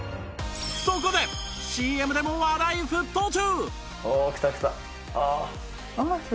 そこで ＣＭ でも話題沸騰中！